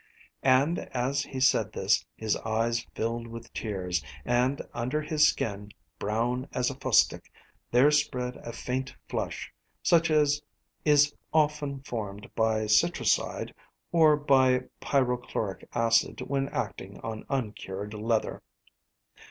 "] And as he said this his eyes filled with tears, and under his skin, brown as fustic, there spread a faint flush, such as is often formed by citrocyde, or by pyrochloric acid when acting on uncured leather.